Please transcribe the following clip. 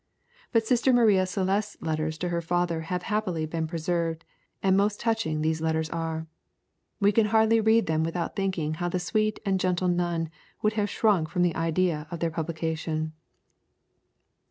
But Sister Maria Celeste's letters to her father have happily been preserved, and most touching these letters are. We can hardly read them without thinking how the sweet and gentle nun would have shrunk from the idea of their publication.